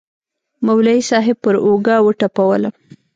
مولوي صاحب پر اوږه وټپولوم.